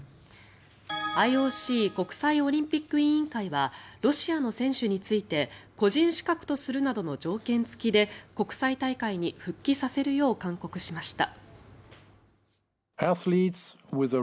ＩＯＣ・国際オリンピック委員会はロシアの選手について個人資格とするなどの条件付きで国際大会に復帰させるよう勧告しました。